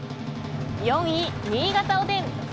４位、新潟おでん。